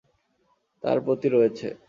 তার প্রতি রয়েছে।